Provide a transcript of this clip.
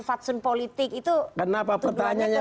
fatsun politik itu kenapa pertanyaannya